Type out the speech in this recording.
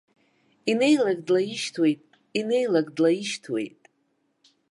Инеилак длаишьҭуеит, инеилак длаишьҭуеит.